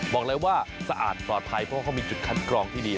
บอกเลยว่าสะอาดปลอดภัยเพราะเขามีจุดคัดกรองที่ดี